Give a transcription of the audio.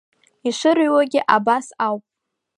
Ишырыҩуагьы абас ауп!